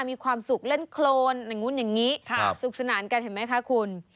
มีความสุขเล่นโครนอย่างนู้นอย่างนี้สุขสนานกันเห็นไหมคะคุณ